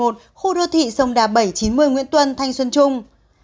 khu đô thị sông đà bảy trăm chín mươi nguyễn tuân thanh xuân trung